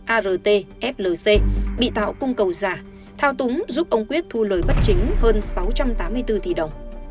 art flc bị tạo cung cầu giả thao túng giúp ông quyết thu lời bất chính hơn sáu trăm tám mươi bốn tỷ đồng